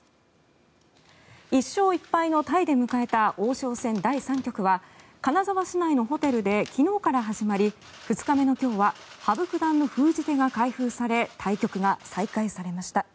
１勝１敗のタイで迎えた王将戦第３局は金沢市内のホテルで昨日から始まり２日目の今日は羽生九段の封じ手が開封され対局が再開されました。